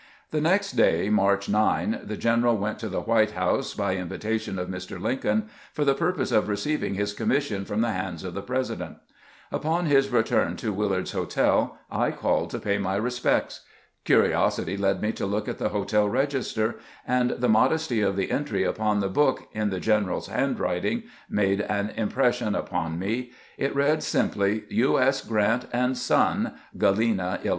The next day, March 9, the general went to the White House, by invitation of Mr. Lincoln, for the purpose of receiving his commission from the hands of the Presi dent. Upon his return to Willard's Hotel, I called to pay my respects. Curiosity led me to look at the hotel register, and the modesty of the entry upon the book, in the general's handwriting, made an impression upon me. 22 CAMPAIGNING WITH GEANT It read simply, " TJ. S. Grrant and son, Galena, lU."